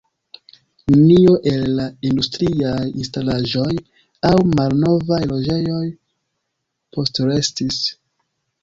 Nenio el la industriaj instalaĵoj aŭ malnovaj loĝejoj postrestis.